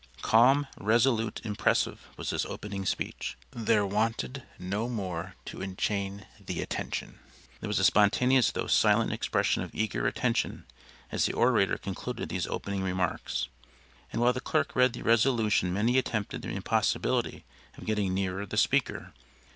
Calm, resolute, impressive was this opening speech. There wanted no more to enchain the attention. There was a spontaneous though silent expression of eager attention as the orator concluded these opening remarks. And while the clerk read the resolution many attempted the impossibility of getting nearer the speaker.